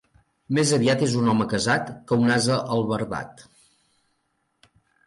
Més aviat és un home casat que un ase albardat.